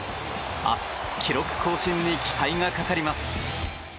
明日、記録更新に期待がかかります。